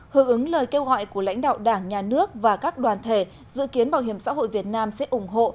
hữu ứng lời kêu gọi của lãnh đạo đảng nhà nước và các đoàn thể dự kiến bảo hiểm xã hội việt nam sẽ ủng hộ